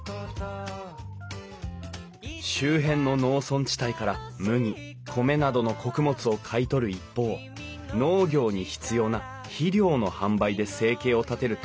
周辺の農村地帯から麦米などの穀物を買い取る一方農業に必要な肥料の販売で生計を立てる問屋が多かった。